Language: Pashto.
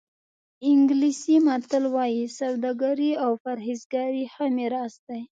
انګلیسي متل وایي سوداګري او پرهېزګاري ښه میراث دی.